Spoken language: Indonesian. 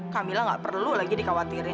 camilla nggak perlu lagi dikhawatirin